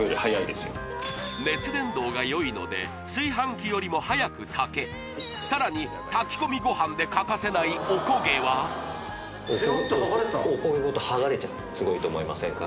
熱伝導がよいので炊飯器よりも早く炊けさらに炊き込みご飯で欠かせないおこげはぺろっとはがれたお焦げごとはがれちゃうすごいと思いませんか？